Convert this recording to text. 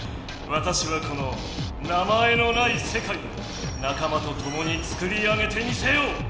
わたしはこの「名前のない世界」を仲間とともにつくり上げてみせよう！